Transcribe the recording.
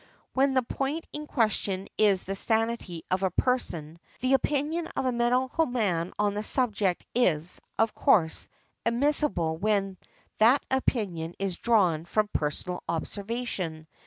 Where the point in question is the sanity of a person, the opinion of a medical man on the subject is, of course, admissible when that opinion is drawn from personal observation.